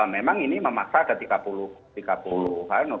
memang ini memaksa ada tiga puluh